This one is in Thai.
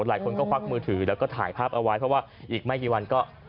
หลายคนก็ควักมือถือแล้วก็ถ่ายภาพเอาไว้เพราะว่าอีกไม่กี่วันก็